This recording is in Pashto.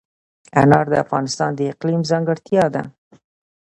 انار د افغانستان د اقلیم ځانګړتیا ده.